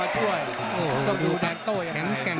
ต้องดูแดงเต้าอย่างไร